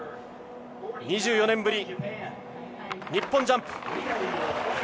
２４年ぶり、日本ジャンプ。